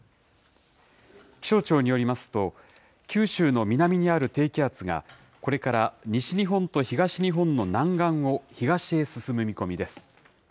気象庁によりますと、九州の南にある低気圧が、これから西日本と東日本の南岸を東へ進む見込みです。